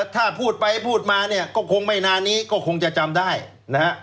ถ้าพูดไปพูดมาเนี่ยก็คงไม่นานนี้ก็คงจะจำได้นะฮะ